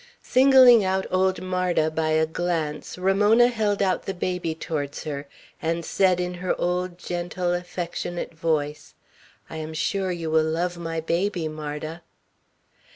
Singling out old Marda by a glance, Ramona held out the baby towards her, and said in her old gentle, affectionate voice, "I am sure you will love my baby, Marda!"